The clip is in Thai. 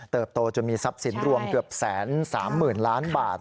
เติบโตจะมีทรัพย์สินรวมเกือบแสนสามหมื่นล้านบาท